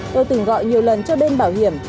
tôi từng gọi nhiều lần cho bên bảo hiểm